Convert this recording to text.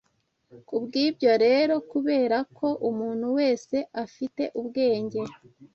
Ku bw’ibyo rero, kubera ko umuntu wese afite ubwenge,